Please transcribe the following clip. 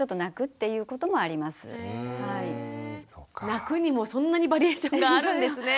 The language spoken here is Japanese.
泣くにもそんなにバリエーションがあるんですね。